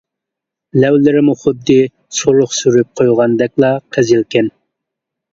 لەۋلىرىمۇ خۇددى سۇرۇخ سۈرۈپ قويغاندەكلا قىزىلكەن.